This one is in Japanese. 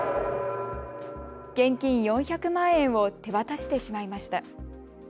現金４００万円を手渡してしまいました。